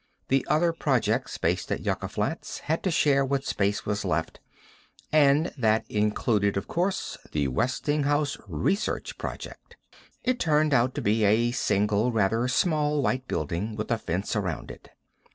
The other projects based at Yucca Flats had to share what space was left and that included, of course, the Westinghouse research project. It turned out to be a single, rather small white building with a fence around it.